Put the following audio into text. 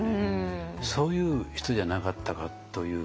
そういう人じゃなかったかという。